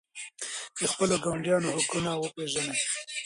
د خپلو ګاونډیانو حقونه وپېژنئ.